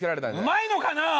うまいのかなあ？